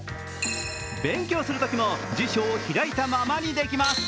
勉強するときも辞書を開いたままにできます。